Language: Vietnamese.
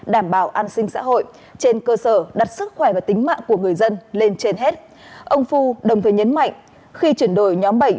đồng thời nhấn mạnh khi chuyển đổi nhóm bệnh